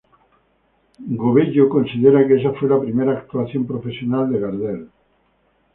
Gobello considera que esa fue la primera actuación profesional de Gardel.